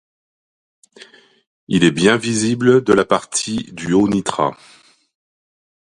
Il est bien visible de la partie du haut Nitra.